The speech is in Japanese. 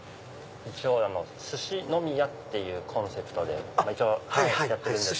一応「スシ呑み屋」っていうコンセプトでやってるんです。